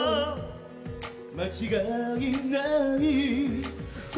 間違いない。